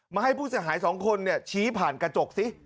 ให้ผู้เสียหาย๒คนชี้ผ่านกระจกซิ